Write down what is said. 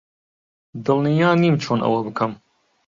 دڵنیا نیم چۆن ئەوە بکەم.